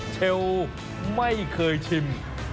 เชลไม่เคยชิม